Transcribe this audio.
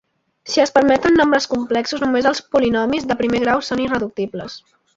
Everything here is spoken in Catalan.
Si es permeten nombres complexos, només els polinomis de primer grau són irreductibles.